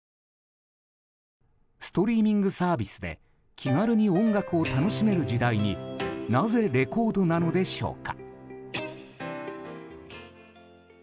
ストリーミングサービスで気軽に音楽を楽しめる時代になぜレコードなのでしょうか？